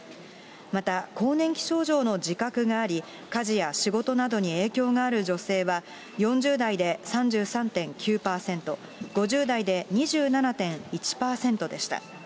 また更年期症状の自覚があり、家事や仕事などに影響がある女性は、４０代で３３．９％、５０代で２７．１％でした。